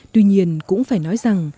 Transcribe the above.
tuy nhiên cũng phải nói rằng